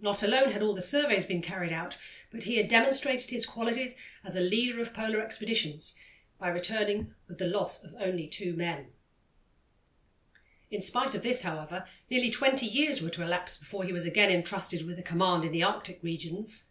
Not alone had all the surveys been carried out, but he had demonstrated his qualities as a leader of Polar expeditions by returning with the loss of only two men. [Illustration: W. E. PARRY'S ATTEMPT TO REACH THE POLE, 1827.] In spite of this, however, nearly twenty years were to elapse before he was again entrusted with a command in the Arctic regions.